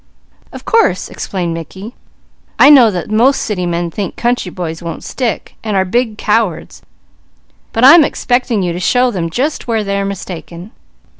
Of course," explained Mickey, "I know that most city men think country boys won't stick, and are big cowards, but I'm expecting you to show them just where they are mistaken.